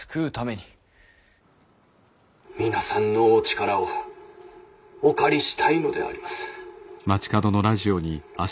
「皆さんのお力をお借りしたいのであります。